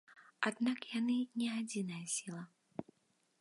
Аднак яны не адзіная сіла.